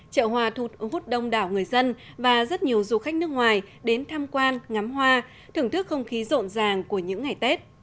chợ hòa thu hút đông đảo người dân và rất nhiều du khách nước ngoài đến tham quan ngắm hoa thưởng thức không khí rộn ràng của những ngày tết